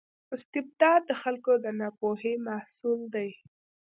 استبداد د خلکو د ناپوهۍ محصول دی.